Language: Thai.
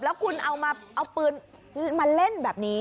แล้วคุณเอาปืนมาเล่นแบบนี้